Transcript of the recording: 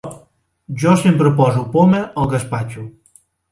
Jo sempre poso poma al gaspatxo.